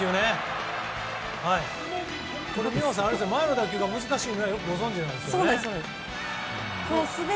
前の打球が難しいのはご存じなんですよね。